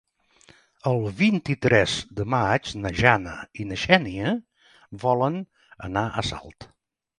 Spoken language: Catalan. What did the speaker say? El vint-i-tres de maig na Jana i na Xènia volen anar a Salt.